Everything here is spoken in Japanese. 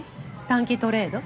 短期トレード？